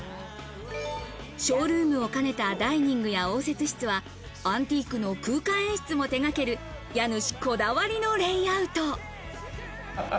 ショールームを兼ねたダイニングや応接室は、アンティークの空間演出も手がける家主こだわりのレイアウト。